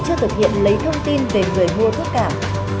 chưa thực hiện lấy thông tin về người mua thuốc cảm